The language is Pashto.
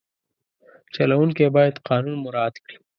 چلوونکی باید قانون مراعت کړي.